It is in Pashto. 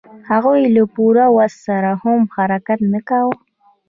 هغوی له پوره وس سره هم حرکت نه کاوه.